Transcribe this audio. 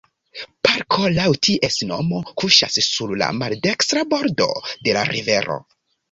Parko laŭ ties nomo kuŝas sur la maldekstra bordo de la rivero.